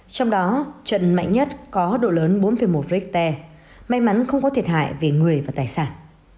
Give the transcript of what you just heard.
trong đó trận mạnh nhất có độ lớn bốn một rchter may mắn không có thiệt hại về người và tài sản